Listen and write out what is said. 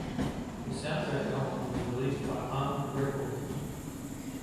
The soundtrack album was released by Island Records.